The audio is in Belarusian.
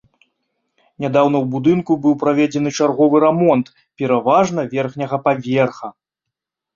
Нядаўна ў будынку быў праведзены чарговы рамонт, пераважна верхняга паверха.